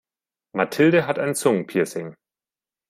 Mathilde hat ein Zungenpiercing.